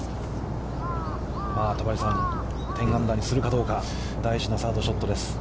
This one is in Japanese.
戸張さん、１０アンダーにするかどうか、大事なサードショットです。